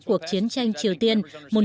cuộc chiến tranh triều tiên